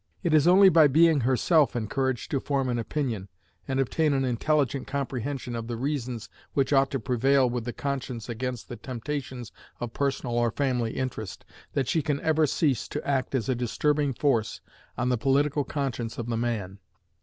It is only by being herself encouraged to form an opinion, and obtain an intelligent comprehension of the reasons which ought to prevail with the conscience against the temptations of personal or family interest, that she can ever cease to act as a disturbing force on the political conscience of the man.